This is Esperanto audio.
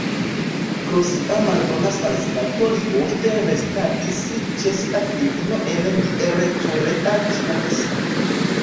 Pro sia malbona sanstato li ofte restadis ĉe sia filino en Miercurea Ciuc.